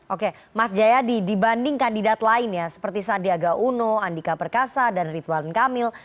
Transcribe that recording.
oke mas jayadi dibanding kandidat lainnya seperti sandiaga uno andika perkasa dan ridwan kamil